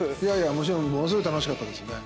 ものすごい楽しかったですね。